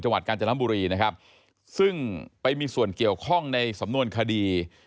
กาญจนบุรีนะครับซึ่งไปมีส่วนเกี่ยวข้องในสำนวนคดี